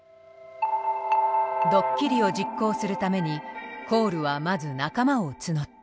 ドッキリを実行するためにコールはまず仲間を募った。